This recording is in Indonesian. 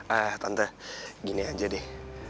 ah tante gini aja deh